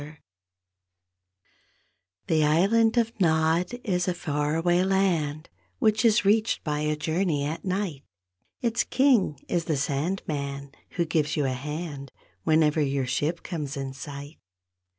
C he island of Nod is a far away land Which is reached by a journey at night; Its King is the Sandman who gives you a hand Whenever your ship comes in sight.